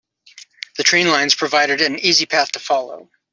The train lines provided an easy path to follow.